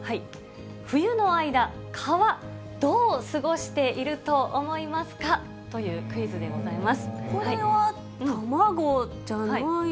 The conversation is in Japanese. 冬の間、蚊はどう過ごしていると思いますか？というクイズでございます。